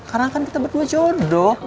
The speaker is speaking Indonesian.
karena kan kita berdua jodoh